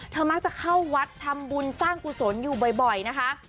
มักจะเข้าวัดทำบุญสร้างกุศลอยู่บ่อยนะคะ